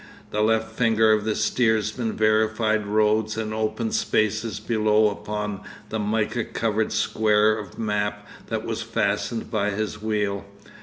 The left finger of the steersman verified roads and open spaces below upon the mica covered square of map that was fastened by his wheel.